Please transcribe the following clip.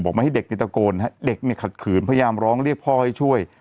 บอกมาให้เด็กติดตะโกนเด็กขัดขืนพยายามร้องเรียกพ่อให้ช่วย